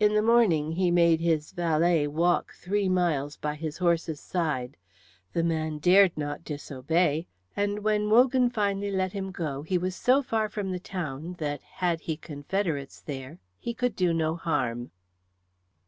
In the morning he made his valet walk three miles by his horse's side. The man dared not disobey, and when Wogan finally let him go he was so far from the town that, had he confederates there, he could do no harm.